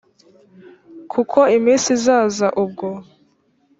kuko iminsi izaza ubwo